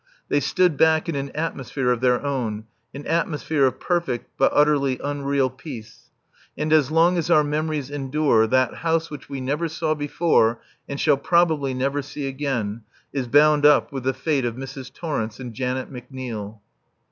They stood back in an atmosphere of their own, an atmosphere of perfect but utterly unreal peace. And as long as our memories endure, that house which we never saw before, and shall probably never see again, is bound up with the fate of Mrs. Torrence and Janet McNeil.